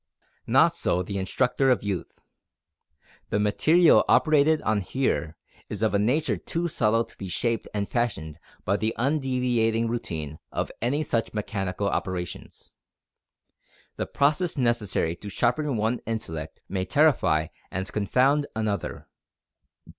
Not so the instructor of youth. The material operated on here is of a nature too subtle to be shaped and fashioned by the undeviating routine of any such mechanical operations. The process necessary to sharpen one intellect may terrify and confound another.